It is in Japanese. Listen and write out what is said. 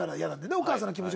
お母さんの気持ち。